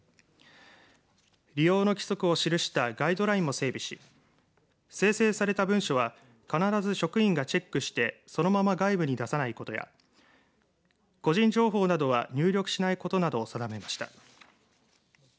利用の規則を記したガイドラインを整備し生成された文書は必ず職員がチェックしてそのまま外部に出さないことや個人情報などは入力しないことなどを定めました。